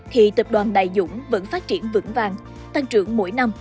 khi tập đoàn đài dũng vẫn phát triển vững vàng tăng trưởng mỗi năm